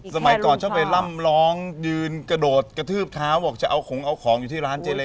สมัยก่อนชอบไปล่ำร้องยืนกระโดดกระทืบเท้าบอกจะเอาของเอาของอยู่ที่ร้านเจเล